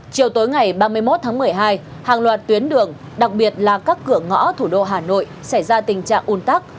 chiều tối ngày ba mươi một tháng một mươi hai hàng loạt tuyến đường đặc biệt là các cửa ngõ thủ đô hà nội xảy ra tình trạng un tắc